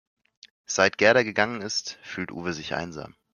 Seit Gerda gegangen ist, fühlt Uwe sich einsam.